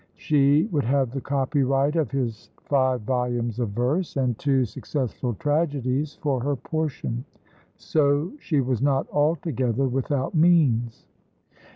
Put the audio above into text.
She would have the copyright of his five volumes of verse, and two successful tragedies, for her portion; so she was not altogether without means.